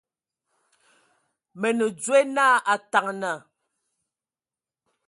Mə nə dzwe na Ataŋga.